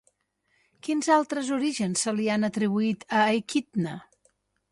Quins altres orígens se li han atribuït a Equidna?